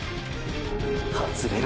外れろ！！